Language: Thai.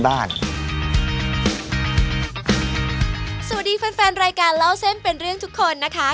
สวัสดีแฟนรายการเล่าเส้นเป็นเรื่องทุกคนนะคะ